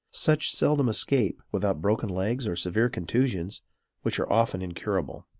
Such seldom escape without broken legs or severe contusions, which are often incurable.